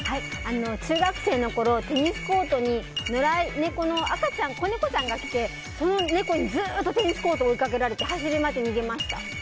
中学生のころ、テニスコートに野良猫の赤ちゃん子猫ちゃんが来てその猫にずっとテニスコート追いかけられて走り回って逃げました。